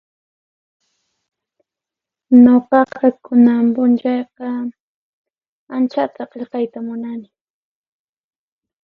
Nuqaqa kunan p'unchayqa anchata qillqayta munani.